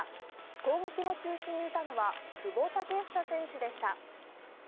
攻撃の中心にいたのは久保建英選手でした。